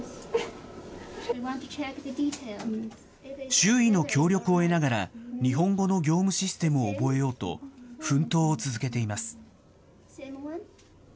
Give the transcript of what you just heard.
周囲の協力を得ながら、日本語の業務システムを覚えようと、奮闘を続けています。